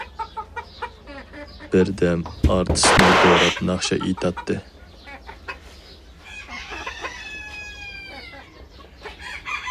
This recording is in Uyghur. بىر دەم ئارتىسنى دوراپ ناخشا ئېيتاتتى.